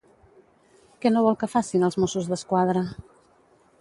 Què no vol que facin els Mossos d'Esquadra?